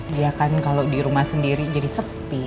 dia kan kalo dirumah sendiri jadi sepi